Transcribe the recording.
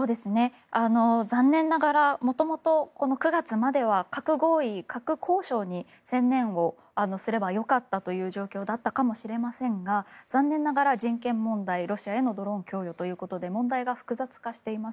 残念ながら元々、この９月までは核合意、核交渉に専念をすればよかったという状況だったかもしれませんが残念ながら人権問題、ロシアへのドローン供与ということで問題が複雑化しています。